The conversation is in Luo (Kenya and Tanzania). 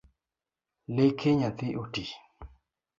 Leke nyathi oti?